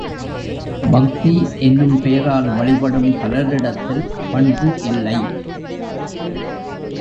பக்தி என்னும் பெயரால் வழிபடும் பலரிடத்தில் பண்பு இல்லை.